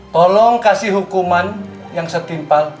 tolong kasih hukuman yang setimpal